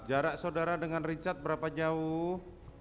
jarak saudara dengan richard berapa jauh